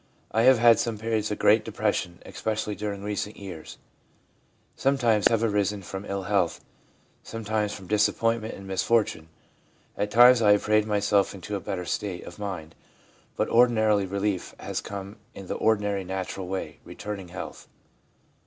' I have had some periods of great depression, especially during recent years. Sometimes these have arisen from ill health, sometimes from disappointment and misfor tune. At times I have prayed myself into a better state of mind, but ordinarily relief has come in the ordinary, natural way — returning health.'